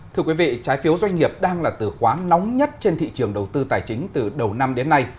thưa quý vị trái phiếu doanh nghiệp đang là từ khóa nóng nhất trên thị trường đầu tư tài chính từ đầu năm đến nay